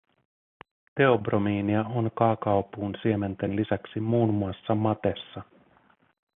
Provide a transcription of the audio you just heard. Teobromiinia on kaakaopuun siementen lisäksi muun muassa matessa